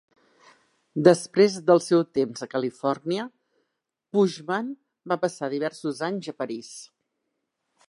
Després del seu temps a Califòrnia Pushman va passar diversos anys a París.